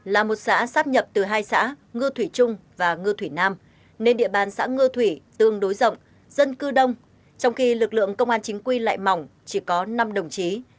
là một xã sắp nhập từ hai xã ngư thủy trung và ngư thủy nam nên địa bàn xã ngư thủy tương đối rộng dân cư đông trong khi lực lượng công an chính quy lại mỏng chỉ có năm đồng chí